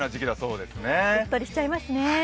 うっとりしちゃいますね。